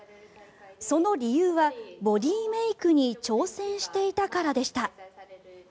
その理由は、ボディーメイクに挑戦していたからでした。